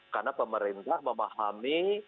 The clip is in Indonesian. karena pemerintah memahami